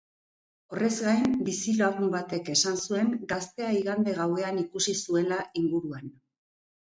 Horrez gain, bizilagun batek esan zuen gaztea igande gauean ikusi zuela inguruan.